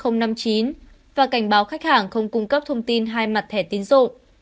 và cảnh báo khách hàng không cung cấp thông tin hai mặt thẻ tín dụng